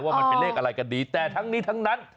มันเป็นเลขอะไรกันดีแต่ทั้งนี้ทั้งนั้น